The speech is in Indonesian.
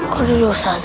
kau dulu saza